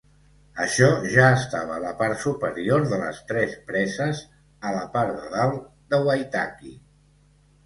Això ja estava a la part superior de les tres preses a la part de dalt de Waitaki.